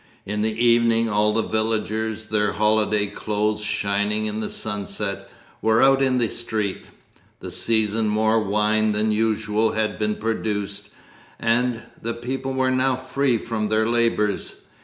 In the evening all the villagers, their holiday clothes shining in the sunset, were out in the street. That season more wine than usual had been produced, and the people were now free from their labours.